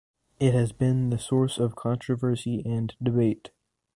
It has been the source of controversy and debate.